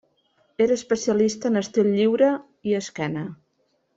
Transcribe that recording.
Era especialista en estil lliure i esquena.